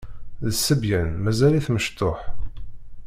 D ṣṣebyan mazal-it mecṭuḥ.